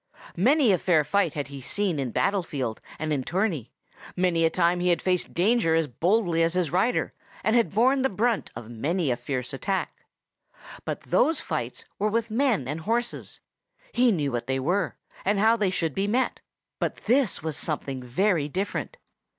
Many a fair fight had he seen in battle field and in tourney; many a time he had faced danger as boldly as his rider, and had borne the brunt of many a fierce attack. But those fights were with men and horses. He knew what they were, and how they should be met; but this was something very different.